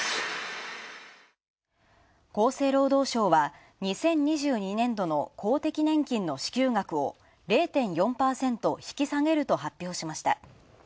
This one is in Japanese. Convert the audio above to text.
厚生労働省は、２０２２年度の公的年金の支給額を０．４％引き下げると発表しました。